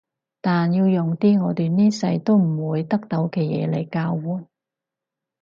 但要用啲我哋呢世都唔會得到嘅嘢嚟交換